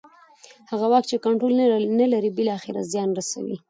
هغه واک چې کنټرول نه لري بالاخره زیان رسوي